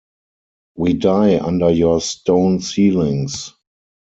We die under your stone ceilings!